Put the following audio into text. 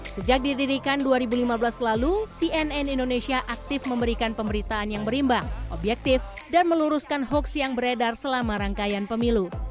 sejak didirikan dua ribu lima belas lalu cnn indonesia aktif memberikan pemberitaan yang berimbang objektif dan meluruskan hoax yang beredar selama rangkaian pemilu